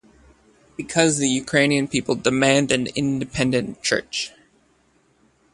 Because the Ukrainian people demand an independent church.